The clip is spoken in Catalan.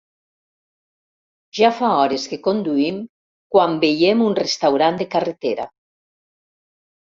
Ja fa hores que conduïm quan veiem un restaurant de carretera.